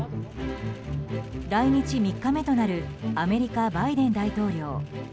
来日３日目となるアメリカ、バイデン大統領。